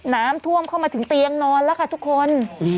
น้ำท่วมเข้ามาถึงเตียงนอนแล้วค่ะทุกคน